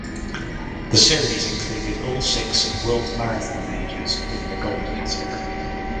The series included all six World Marathon Majors in the Gold category.